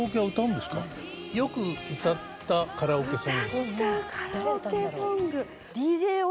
歌ったカラオケソング。